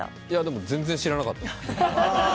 でも全然知らなかった。